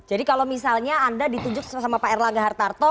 kalau misalnya anda ditunjuk sama pak erlangga hartarto